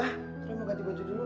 udah aku mau ganti baju dulu